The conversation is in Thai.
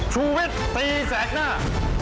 ชุวิตตีแสดหน้า